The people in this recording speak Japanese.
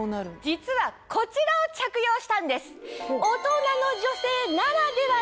実はこちらを着用したんです。